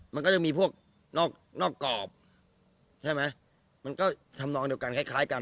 มันก็จะมีพวกนอกกรอบใช่ไหมมันก็ทำนองเดียวกันคล้ายกัน